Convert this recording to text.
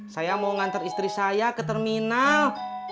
saya mau ngantar istri saya ke terminal